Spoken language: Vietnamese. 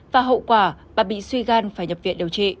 và hậu quả bà bị suy gan phải nhập viện điều trị